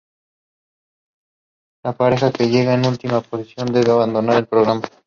La pareja que llega en última posición debe abandonar el programa.